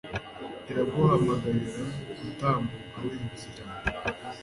Iraguhamagarira gutambuka wihuse cyane